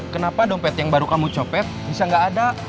kenapa dompet yang baru kamu copet bisa nggak ada